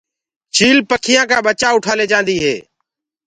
چيِل پکيآ ڪآ ٻچآ اُٺآ ليجآندي هي۔